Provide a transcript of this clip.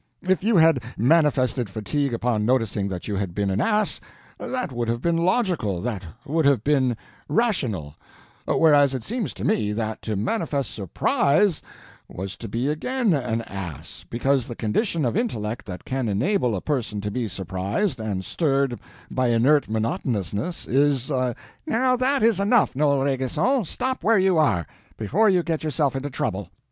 If you had manifested fatigue upon noticing that you had been an ass, that would have been logical, that would have been rational; whereas it seems to me that to manifest surprise was to be again an ass, because the condition of intellect that can enable a person to be surprised and stirred by inert monotonousness is a—" "Now that is enough, Noel Rainguesson; stop where you are, before you get yourself into trouble.